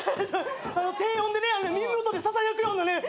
低音でね耳元でささやくような。